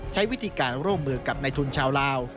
ใช้วิธีการร่วมมือกับในทุนชาวลาว